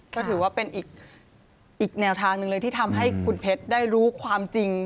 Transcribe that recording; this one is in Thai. ก็ถือว่าเป็นอีกแนวทางหนึ่งเลยที่ทำให้คุณเพชรได้รู้ความจริง